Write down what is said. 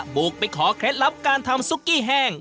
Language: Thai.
บุกไปขอเคล็ดลับการทำซุกกี้แห้ง